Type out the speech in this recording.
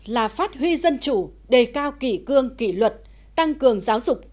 là phát huy dân chủ đề cao kỷ cương kỷ luật tăng cường giáo dục